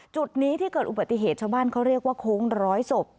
จุดนี้ที่เกิดอุบัติเหตุชาวบ้านเขาเรียกว่าโค้งร้อยศพ